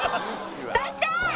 そして！